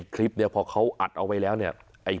คลิปเนี่ยพอเขาอัดเอาไว้แล้วเนี่ย